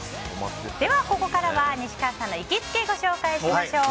ここからは、西川さんの行きつけをご紹介しましょう。